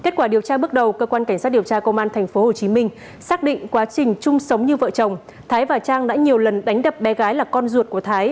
xác định quá trình chung sống như vợ chồng thái và trang đã nhiều lần đánh đập bé gái là con ruột của thái